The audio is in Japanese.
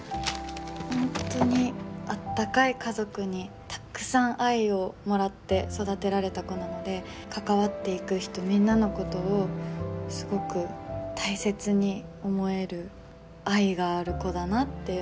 本当にあったかい家族にたっくさん愛をもらって育てられた子なので関わっていく人みんなのことをすごく大切に思える愛がある子だなっていうのはすごく感じてます。